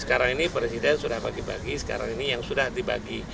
sekarang ini presiden sudah bagi bagi sekarang ini yang sudah dibagi